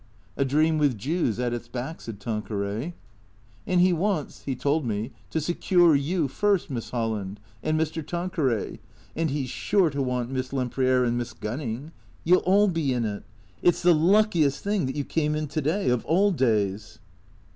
'^" A dream with Jews at its back," said Tanqueray. " And he wants — he told me — to secure you first, Miss Hol land. And Mr. Tanqueray. And he 's sure to want Miss Lem priere and Miss Gunning. You '11 all be in it. It 's the luckiest thing that you came in to day, of all days."